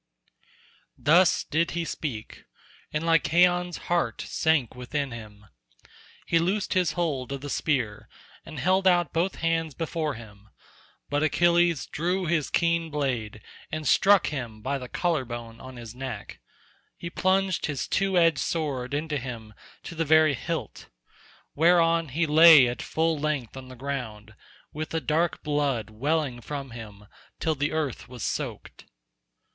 Thus did he speak, and Lycaon's heart sank within him. He loosed his hold of the spear, and held out both hands before him; but Achilles drew his keen blade, and struck him by the collar bone on his neck; he plunged his two edged sword into him to the very hilt, whereon he lay at full length on the ground, with the dark blood welling from him till the earth was soaked.